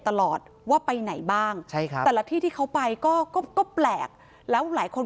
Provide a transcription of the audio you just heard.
ตลอดว่าไปไหนบ้างใช่ครับแต่ละที่ที่เขาไปก็ก็แปลกแล้วหลายคน